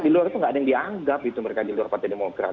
di luar itu nggak ada yang dianggap itu mereka di luar partai demokrat